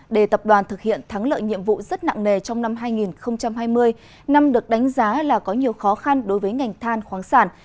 để tập đoàn thực hiện thắng lợi nhiệm vụ rất nặng nề trong năm hai nghìn hai mươi năm được đánh giá là có nhiều khó khăn đối với ngành than khoáng sản